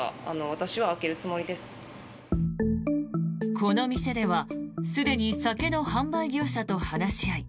この店ではすでに酒の販売業者と話し合い